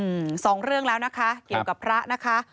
อืมสองเรื่องแล้วนะคะเกี่ยวกับพระนะคะ